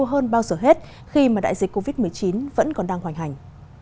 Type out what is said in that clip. cho hết khi mà đại dịch covid một mươi chín vẫn còn đang hoành hành